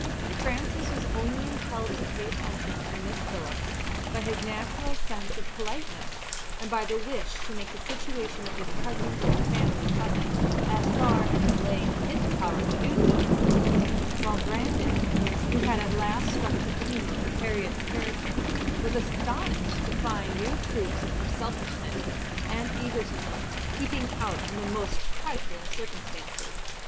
Francis was only impelled to pay attention to Miss Phillips by his natural sense of politeness, and by the wish to make the situation of his cousins in the family pleasant, as far as it lay in his power to do so; while Brandon, who had at last struck the key note of Harriett's character, was astonished to find new proofs of her selfishness and egotism peeping out in the most trifling circumstances.